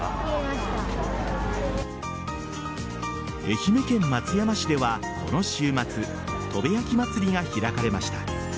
愛媛県松山市ではこの週末砥部焼まつりが開かれました。